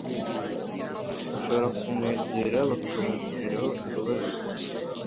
bashobora kumwegera bakamugiriraho imbabazi.